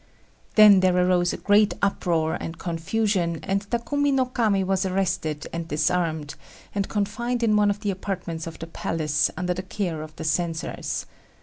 Then there arose a great uproar and confusion, and Takumi no Kami was arrested and disarmed, and confined in one of the apartments of the palace under the care of the censors.